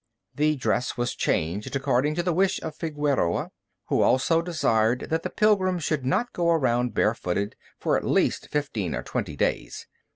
The dress was changed according to the wish of Figueroa, who also desired that the pilgrim should not go around barefooted for at least fifteen or twenty days.